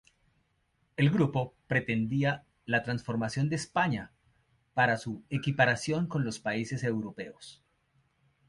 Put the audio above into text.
El grupo pretendía la transformación de España para su equiparación con los países europeos.